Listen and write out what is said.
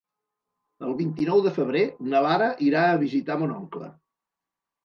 El vint-i-nou de febrer na Lara irà a visitar mon oncle.